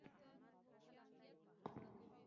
د افغانستان زعفران د نړې لمړی درجه دي.